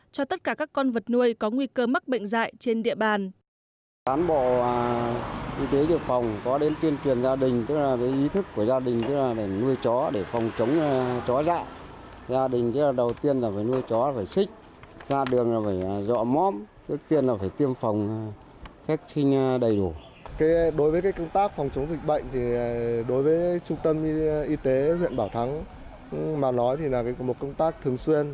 cho tất cả các con vật nuôi có nguy cơ mắc bệnh dại trên địa bàn